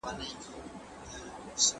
¬ اسمان ليري، مځکه سخته.